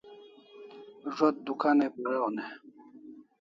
Zo't dukan ai paron e?